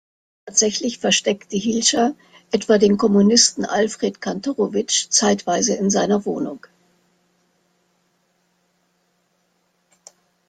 Tatsächlich versteckte Hielscher etwa den Kommunisten Alfred Kantorowicz zeitweise in seiner Wohnung.